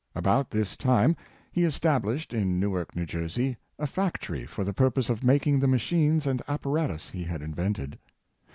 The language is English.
About this time he established in Newark, N. J., a fac tory for the purpose of making the machines and appa ratus he had invented.